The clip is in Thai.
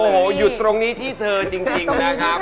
โอ้โหหยุดตรงนี้ที่เธอจริงนะครับ